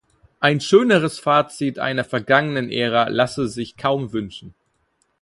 Ein schöneres Fazit einer vergangenen Ära lasse sich kaum wünschen.